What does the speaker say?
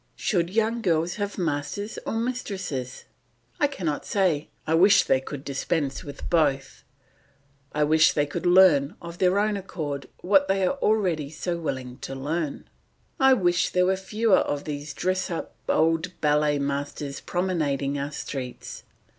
Should young girls have masters or mistresses? I cannot say; I wish they could dispense with both; I wish they could learn of their own accord what they are already so willing to learn. I wish there were fewer of these dressed up old ballet masters promenading our streets.